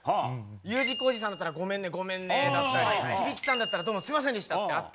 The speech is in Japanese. Ｕ字工事さんだったら「ごめんねごめんね」だったり響さんだったら「どうもすみませんでしたっ」ってあったり